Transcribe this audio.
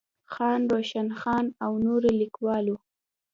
خان روشن خان او نورو ليکوالو